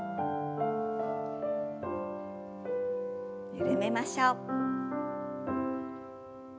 緩めましょう。